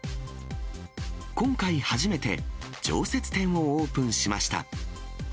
今回初めて、常設店をオープンしました。